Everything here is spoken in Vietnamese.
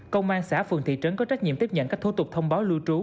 công an xã phường thị trấn có trách nhiệm tiếp nhận các thô tục thông báo lưu trú